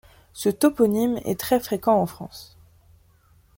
Ce toponyme est très fréquent en France.